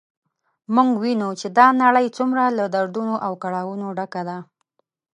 موږ وینو چې دا نړی څومره له دردونو او کړاوونو ډکه ده